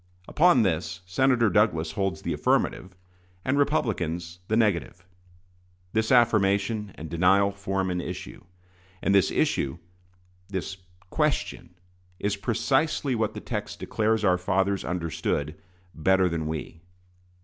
Upon this, Senator Douglas holds the affirmative, and Republicans the negative. This affirmation and denial form an issue; and this issue this question is precisely what the text declares our fathers understood "better than we."